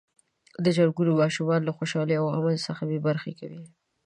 جنګونه ماشومان له خوشحالۍ او امن څخه بې برخې کوي.